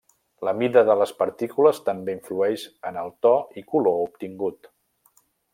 La mida de les partícules també influeix en el to i color obtingut.